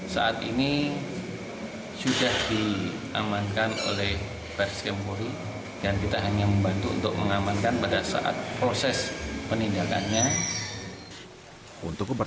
saat ini sudah diamankan oleh bares krim polri